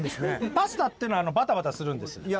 パスタっていうのはバタバタするんです。